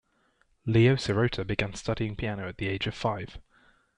Leo Sirota began studying piano at the age of five.